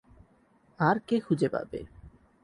আর কে খুঁজে পাবে?